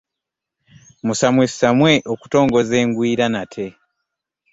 Musamwesamwe okutongoza engwiira nate .